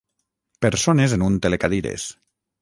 Persones en un telecadires.